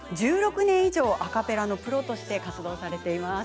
１６年以上、アカペラのプロとして活動されています。